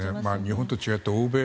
日本と違って欧米